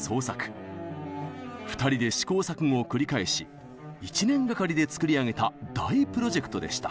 ２人で試行錯誤を繰り返し１年がかりで作り上げた大プロジェクトでした。